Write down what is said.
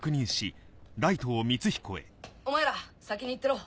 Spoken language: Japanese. お前ら先に行ってろ。